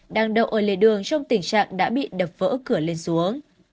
đang đậu ở lề đường trong tình trạng đã bị đập vỡ cửa lên xuống